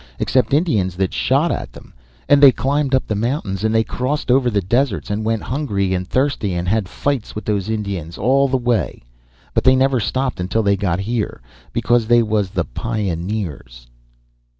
Except Indians that shot at them. And they climbed up the mountains and they crossed over the deserts and went hungry and thirsty and had fights with those Indians all the way. But they never stopped until they got here. Because they was the pioneers."